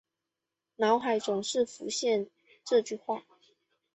脑海总是浮现这句话